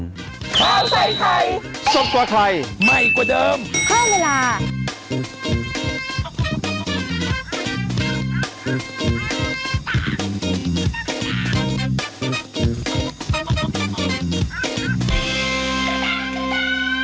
ข้าวใส่ไทยสดกว่าไทยใหม่กว่าเดิมเพิ่มเวลา